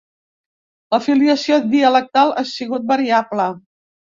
La filiació dialectal ha sigut variable.